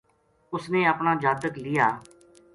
اس نے اپنا جاتک لیا